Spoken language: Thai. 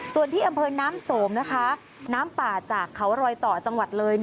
ส่วนที่อำเภอน้ำสมนะคะน้ำป่าจากเขารอยต่อจังหวัดเลย